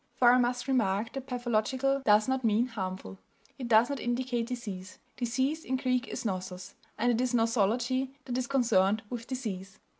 For I must remark that pathological does not mean harmful; it does not indicate disease; disease in Greek is nosos, and it is nosology that is concerned with disease.